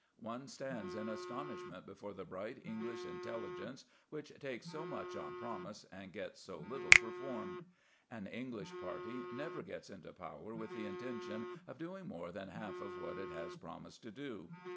One stands in astonishment before the bright English intelligence which takes so much on promise and gets so little performed. An English party never goes into power with the intention of doing more than half of what it has promised to do.